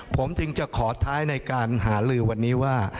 ผมจึงจะขอท้ายในการหาลือวันนี้ว่า